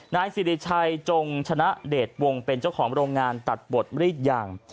นายสิริชัยจงชนะเดชวงศ์เป็นเจ้าของโรงงานตัดบทรีดยาง